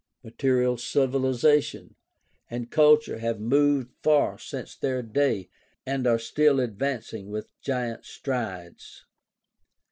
Material civilization and culture have moved far since their day and are still advanc ing with giant strides.